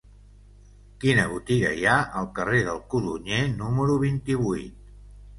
Quina botiga hi ha al carrer del Codonyer número vint-i-vuit?